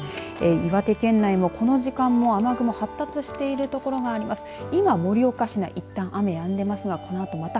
岩手県内も、この時間も雨雲が発達してる所があります。